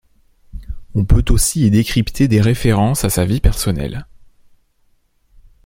On peut aussi y décrypter des références à sa vie personnelle.